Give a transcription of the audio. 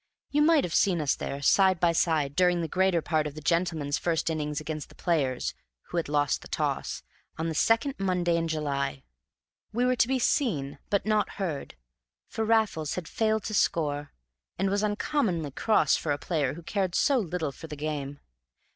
You might have seen us there, side by side, during the greater part of the Gentlemen's first innings against the Players (who had lost the toss) on the second Monday in July. We were to be seen, but not heard, for Raffles had failed to score, and was uncommonly cross for a player who cared so little for the game.